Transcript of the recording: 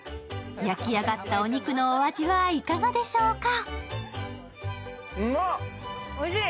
焼き上がったお肉のお味はいかがでしょうか。